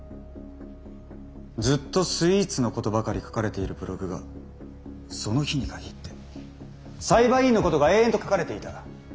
ずっとスイーツのことばかり書かれているブログがその日に限って裁判員のことが延々と書かれていた。